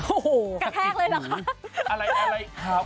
โอ้โหกระแทกเลยหรอครับ